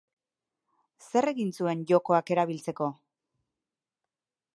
Zer egin zuen jokoak erabiltzeko?